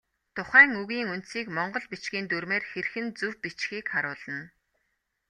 Тухайн үгийн үндсийг монгол бичгийн дүрмээр хэрхэн зөв бичихийг харуулна.